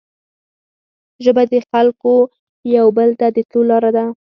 ژبه د خلګو یو بل ته د تلو لاره ده